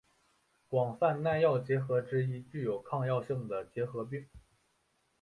广泛耐药结核之一具有抗药性的结核病。